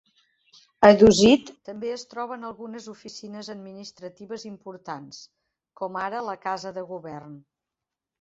A Dusit també es troben algunes oficines administratives importants, com ara la Casa de Govern.